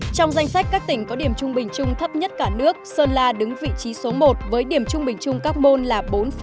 trong danh sách các tỉnh có điểm trung bình chung thấp nhất cả nước sơn la đứng vị trí số một với điểm trung bình chung các môn là bốn một trăm hai mươi ba